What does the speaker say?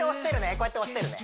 こうやって押してるね